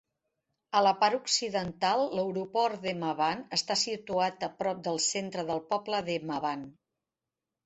A la part occidental, l'aeroport d'Hemavan està situat a prop del centre del poble d'Hemavan.